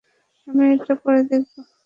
আমি এটা পরে দেখব?